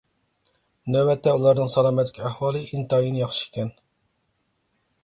نۆۋەتتە ئۇلارنىڭ سالامەتلىك ئەھۋالى ئىنتايىن ياخشى ئىكەن.